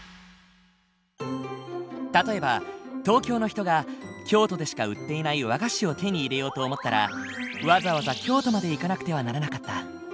例えば東京の人が京都でしか売っていない和菓子を手に入れようと思ったらわざわざ京都まで行かなくてはならなかった。